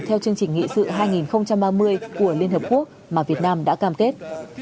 theo chương trình nghị sự hai nghìn ba mươi của liên hợp quốc mà việt nam đã cam kết